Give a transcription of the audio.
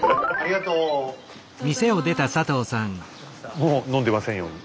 もう飲んでませんように。